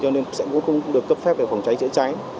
cho nên sẽ cũng không được cấp phép về phòng cháy chữa cháy